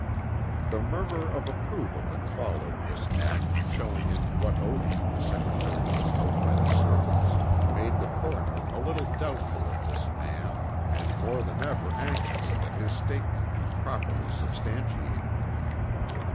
The murmur of approval that followed this act showing in what odium the secretary was held by the servants, made the coroner a little doubtful of his man and more than ever anxious that his statement be properly substantiated.